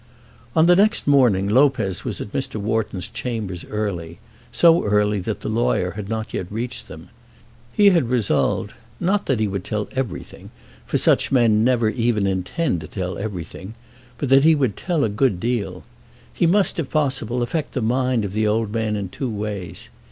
On the next morning Lopez was at Mr. Wharton's chambers early, so early that the lawyer had not yet reached them. He had resolved, not that he would tell everything, for such men never even intend to tell everything, but that he would tell a good deal. He must, if possible, affect the mind of the old man in two ways.